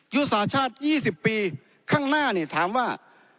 ยุทธศาสตร์ชาติ๒๐ปีข้างหน้าถามว่า